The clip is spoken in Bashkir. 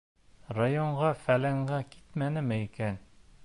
Районға-фәләнгә китмәнеме икән?